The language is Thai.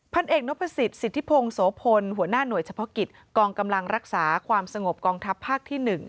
เอกนพสิทธิพงศ์โสพลหัวหน้าหน่วยเฉพาะกิจกองกำลังรักษาความสงบกองทัพภาคที่๑